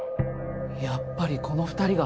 やっぱりこの２人が。